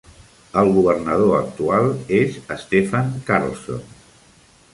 El governador actual és Stefan Carlsson.